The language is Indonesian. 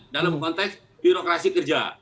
dalam konteks birokrasi kerja